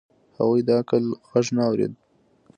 هغوی د عقل غږ نه اورېد.